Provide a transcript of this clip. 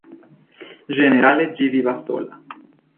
Ĝenerale ĝi vivas sola.